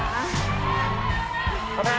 คุณภาษา